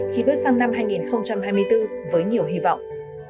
khi bước sang năm hai nghìn hai mươi bốn với nhiều hy vọng